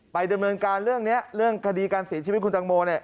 ดำเนินการเรื่องนี้เรื่องคดีการเสียชีวิตคุณตังโมเนี่ย